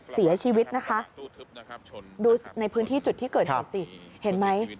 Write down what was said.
เสียชีวิตนะคะดูในพื้นที่จุดที่เกิดเหตุสิเห็นไหม